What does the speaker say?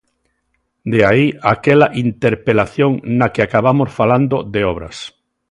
De aí aquela interpelación na que acabamos falando de obras.